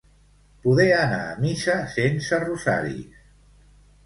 Poder anar a missa sense rosaris.